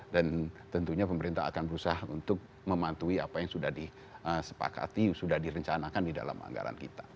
dan tentunya pemerintah akan berusaha untuk memantui apa yang sudah disepakati sudah direncanakan di dalam anggaran kita